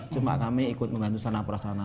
cuma kami ikut membantu sana prasarana